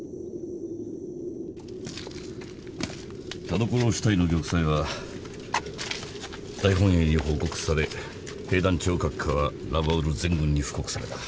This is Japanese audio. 田所支隊の玉砕は大本営に報告され兵団長閣下はラバウル全軍に布告された。